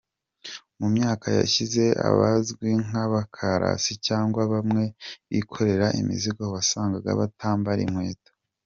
Mu myaka yashize abazwi nk’abakarasi cyangwa bamwe bikorera imizigo wasanganga batambara inkweto.